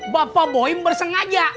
bapak boim bersengaja